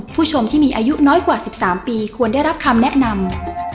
ผู้ชมที่มีอายุน้อยกว่า๑๓ปีควรได้รับคำแนะนำ